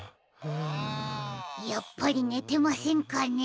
やっぱりねてませんかね？